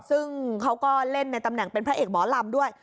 ซึ่งเขาก็เล่นในตำแหน่งเป็นพระเอกหมอลำด้วย